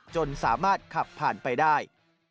จนสามารถขับผ่านไปได้